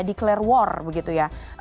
declare war begitu ya